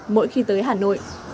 mỗi khi tới hà nội